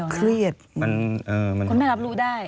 คุณแม่รับรู้ได้